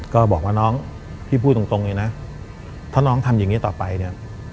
ก็บอกว่าน้องพี่พูดตรงเลยนะถ้าน้องทำอย่างนี้ต่อไปเนี่ย